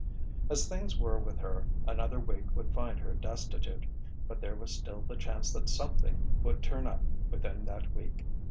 As things were with her, another week would find her destitute, but there was still the chance that something would turn up within that week.